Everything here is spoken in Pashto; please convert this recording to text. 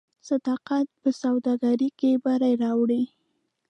صداقت په سوداګرۍ کې بری راوړي.